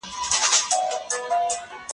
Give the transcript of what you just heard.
ګوره په ماکومه تجريبه کوي